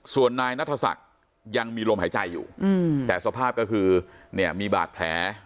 ส่วนนายนัทศักดิ์ยังมีลมหายใจอยู่แต่สภาพก็คือเนี่ยมีบาดแผล